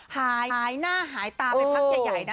หายหน้าหายตาไปพักใหญ่นะ